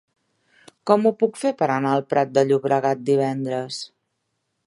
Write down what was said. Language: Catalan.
Com ho puc fer per anar al Prat de Llobregat divendres?